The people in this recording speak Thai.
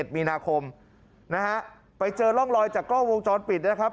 มีนาคมนะฮะไปเจอร่องรอยจากกล้องวงจรปิดนะครับ